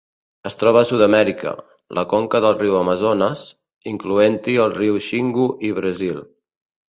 Es troba a Sud-amèrica: la conca del riu Amazones, incloent-hi el riu Xingu i Brasil.